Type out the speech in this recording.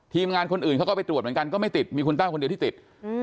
งานคนอื่นเขาก็ไปตรวจเหมือนกันก็ไม่ติดมีคุณต้าคนเดียวที่ติด